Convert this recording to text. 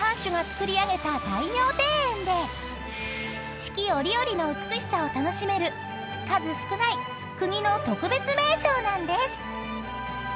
［四季折々の美しさを楽しめる数少ない国の特別名勝なんです］